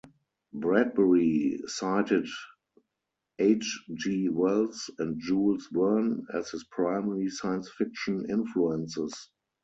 Bradbury cited H. G. Wells and Jules Verne as his primary science fiction influences.